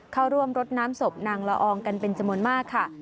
เข้าร่วมรดน้ำศพนางละอองกันเป็นจำนวนมากค่ะ